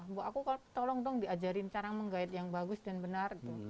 mbak aku tolong dong diajarin cara meng guide yang bagus dan benar